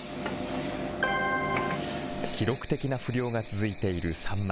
記録的な不漁が続いているサンマ。